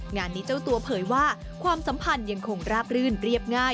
งานนี้เจ้าตัวเผยว่าความสัมพันธ์ยังคงราบรื่นเรียบง่าย